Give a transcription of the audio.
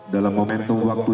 dalam momentum waktu